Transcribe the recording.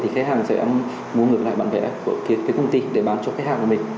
khách hàng sẽ mua ngược lại bản vẽ của công ty để bán cho khách hàng của mình